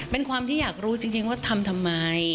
เป็นความที่อยากรู้จริงว่าทำทำไม